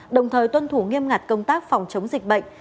đồng thời tuân thủ nghiêm ngặt công tác phòng chống dịch bệnh